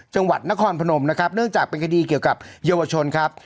จังหวัดนครพนมนะครับเนื่องจากเป็นคดีเกี่ยวกับเยาวชนครับ